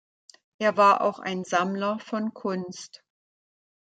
Er war auch ein Sammler von Kunst.